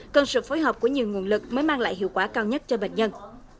cần sự phối hợp của nhiều nguồn lực mới mang lại hiệu quả cao nhất cho bệnh nhân